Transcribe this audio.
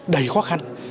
đầy khó khăn